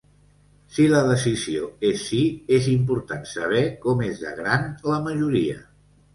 Si la decisió és sí, és important saber com és de gran la majoria.